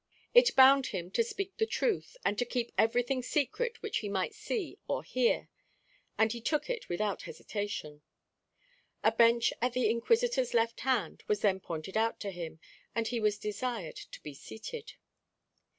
It bound him to speak the truth, and to keep everything secret which he might see or hear; and he took it without hesitation. A bench at the Inquisitor's left hand was then pointed out to him, and he was desired to be seated.